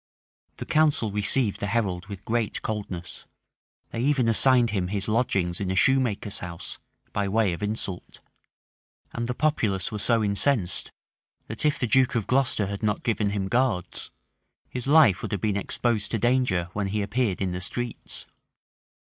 The council received the herald with great coldness: they even assigned him his lodgings in a shoemaker's house, by way of insult; and the populace were so incensed, that if the duke of Glocester had not given him guards, his life had been exposed to danger when he appeared in the streets.